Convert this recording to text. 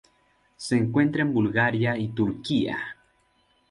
Se encuentra en Bulgaria y Turquía.